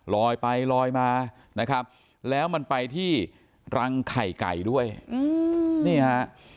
ลอยไปลอยมานะครับแล้วมันไปที่รังไข่ไก่ด้วยนี่ฮะ